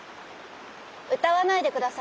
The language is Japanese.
歌わないでくださる？